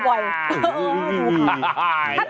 หาหา